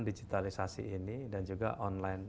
digitalisasi ini dan juga online